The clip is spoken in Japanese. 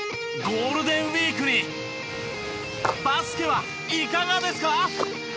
ゴールデンウィークにバスケはいかがですか？